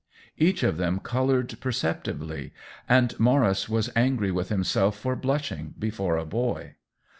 Each of them colored perceptibly, and Maurice was angry with himself for blushing before a boy.